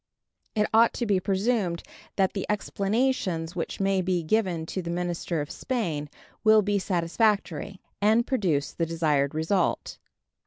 It ought to be presumed that the explanations which may be given to the minister of Spain will be satisfactory, and produce the desired result.